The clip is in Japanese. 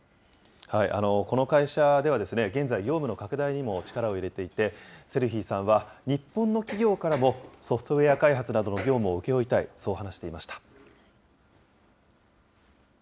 この会社では、現在、業務の拡大にも力を入れていて、セルヒーさんは日本の企業からも、ソフトウエア開発などの業務を請け負いたい、そう話していました。